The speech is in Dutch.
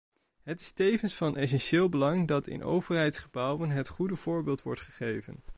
Het is tevens van essentieel belang dat in overheidsgebouwen het goede voorbeeld wordt gegeven.